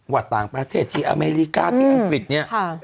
ว่าต่างประเทศที่อเมริกาที่อังกฤษเนี่ย